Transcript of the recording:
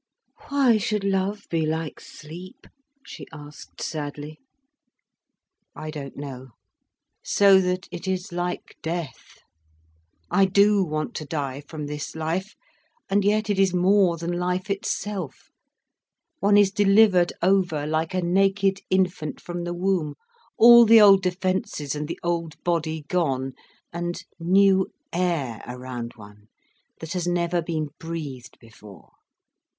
"Why should love be like sleep?" she asked sadly. "I don't know. So that it is like death—I do want to die from this life—and yet it is more than life itself. One is delivered over like a naked infant from the womb, all the old defences and the old body gone, and new air around one, that has never been breathed before."